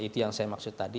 itu yang saya maksud tadi